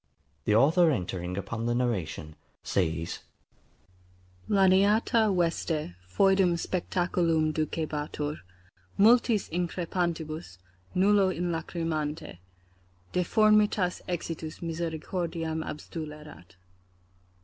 The author entering upon the narration, says, LANIATA VESTE, FOEDUM SPECACULUM DUCEBATUR, MULTIS INCREPANTIBUS, NULLO INLACRIMANTE: deformatitas exitus misericordiam abstulerat.